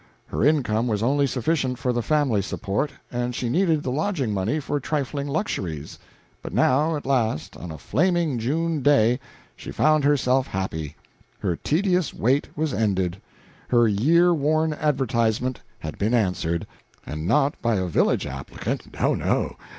Her income was only sufficient for the family support, and she needed the lodging money for trifling luxuries. But now, at last, on a flaming June day, she found herself happy; her tedious wait was ended; her year worn advertisement had been answered; and not by a village applicant, oh, no!